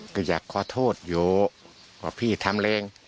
ก็อยากขอโทษอยู่ว่าพี่ทำเอง